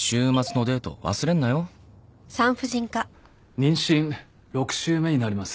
妊娠６週目になります。